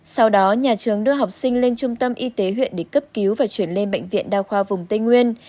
sau đó nhà trường đưa học sinh lên trung tâm y tế huyện để cấp cứu và chuyển lên bệnh viện đa khoa vùng tây nguyên